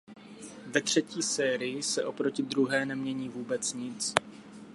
Ve třetí sérii se oproti druhé nemění vůbec nic.